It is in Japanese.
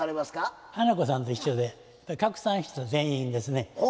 花子さんと一緒で拡散した全員ですね。